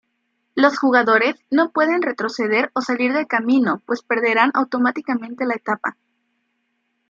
Los jugadores no pueden retroceder o salir del camino pues perderán automáticamente la etapa.